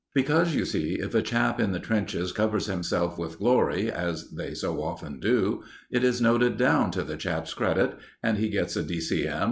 Because, you see, if a chap in the trenches covers himself with glory, as they so often do, it is noted down to the chap's credit, and he gets a D.C.M.